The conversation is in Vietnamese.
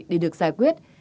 để được giải quyết